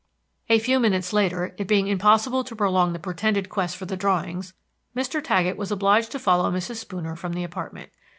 A few minutes later, it being impossible to prolong the pretended quest for the drawings, Mr. Taggett was obliged to follow Mrs. Spooner from the apartment.